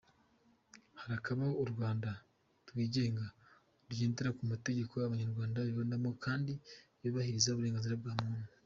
Harakabaho u Rwanda rwigenga, rugendera ku mategeko abanyarwanda bibonamo kandi yubahiriza uburenganzira bwa muntu.